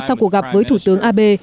sau cuộc gặp với thủ tướng abe